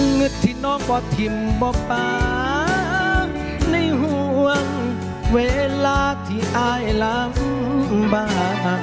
เงินที่น้องบ่ทิมบ่ปากในห่วงเวลาที่อายลำบาก